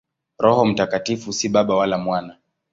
Roho Mtakatifu si Baba wala Mwana.